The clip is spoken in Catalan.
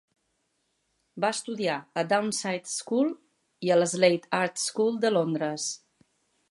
Va estudiar a la Downside School i a la Slade Art School de Londres.